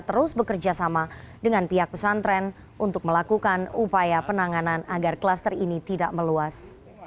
terus bekerja sama dengan pihak pesantren untuk melakukan upaya penanganan agar klaster ini tidak meluas